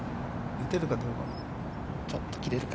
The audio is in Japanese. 打てるかどうか。